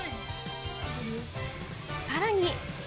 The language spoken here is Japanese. さらに。